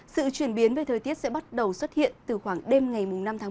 sự chuyển biến về thời tiết sẽ bắt đầu xuất hiện từ khoảng đêm ngày năm một mươi một